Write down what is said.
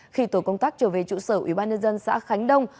khi tổ công tác trở về trụ sở ubnd xã khánh đông